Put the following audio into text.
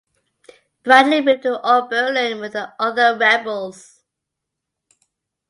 Bradley moved to Oberlin with the other Rebels.